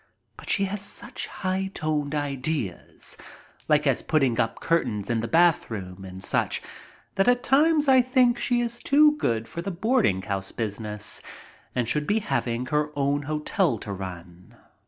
But she has such high toned ideas, like as putting up curtains in the bathroom and such that at times I think she is too good for the boarding house business and should be having her own hotel to run.